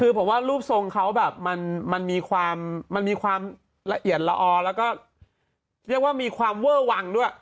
คือผมว่ารูปทรงเขาแบบมันมีความมันมีความละเอียดละออแล้วก็เรียกว่ามีความเวอร์วังด้วย